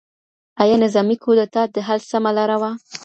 ایا نظامي کودتا د حل سمه لاره وه؟